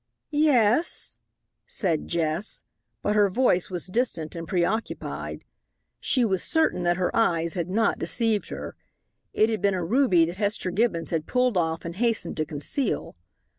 "Yes," said Jess, but her voice was distant and preoccupied. She was certain that her eyes had not deceived her. It had been a ruby that Hester Gibbons had pulled off and hastened to conceal.